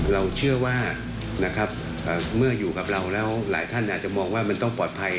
เราเชื่อว่านะครับเมื่ออยู่กับเราแล้วหลายท่านอาจจะมองว่ามันต้องปลอดภัย